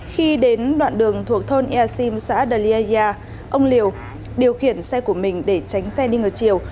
khi đến đoạn đường thuộc thôn easim xã đê yê gia ông liều điều khiển xe của mình để tránh xe đi ngờ chiều